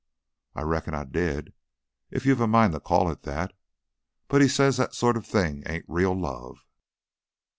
"I reckon I did, if you're a mind to call it that. But he says that sort of thing ain't real love."